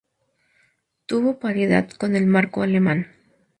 Tuvo paridad con el marco alemán.